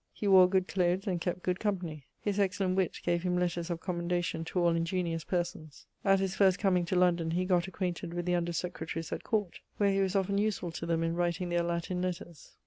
He wore good cloathes, and kept good company. His excellent witt gave him letters of commendacion to all ingeniose persons. At hisfirst comeing to London he gott acquainted with the under secretaries at court, where he was often usefull to them in writing their Latin letters.